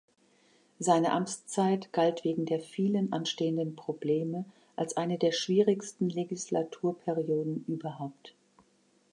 Seine Amtszeit galt wegen der vielen anstehenden Probleme als eine der schwierigsten Legislaturperioden überhaupt.